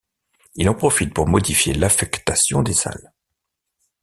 Il en profite pour modifier l'affectation des salles.